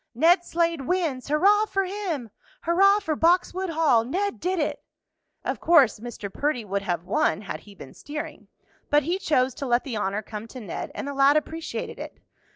"Ned Slade wins!" "Hurrah for him!" "Hurrah for Boxwood Hall!" "Ned did it!" Of course Mr. Perdy would have won had he been steering, but he chose to let the honor come to Ned, and the lad appreciated it.